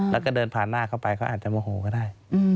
แล้วก็เดินผ่านหน้าเข้าไปเขาอาจจะโมโหก็ได้